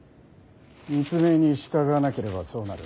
密命に従わなければそうなる。